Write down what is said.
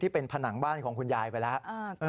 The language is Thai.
เป็นผนังบ้านของคุณยายไปแล้ว